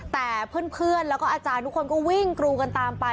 แต่เพื่อนแล้วก็อาจารย์ทุกคนก็วิ่งกรูกันตามไป